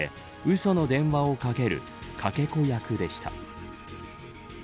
その電話をかけるかけ子役でした。